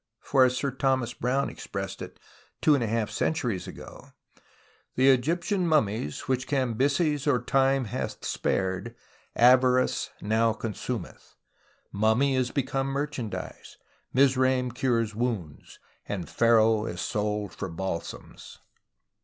For, as Sir Thomas Browne expressed it two and a half centuries ago, " The Egyptian mummies, which Cambyses or time hath spared, avarice now consumeth. Mummy is become merchan dise, Mizraim cures wounds, and Pharaoh is sold for balsams."